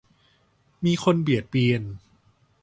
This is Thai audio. มีคนเบียดเบียน